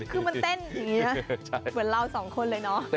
คือมาตั้งจากจุ่มลืกเหมือนเรา๒คนเลยเนอะ